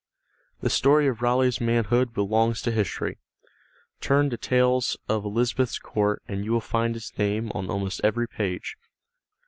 The story of Raleigh's manhood belongs to history. Turn to tales of Elizabeth's court and you will find his name on almost every page.